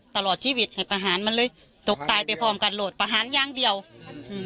ตลอดชีวิตให้ประหารมันเลยตกตายไปพร้อมกันโหลดประหารอย่างเดียวอืม